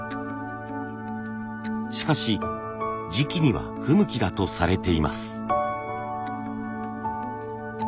しかし磁器には不向きだとされています。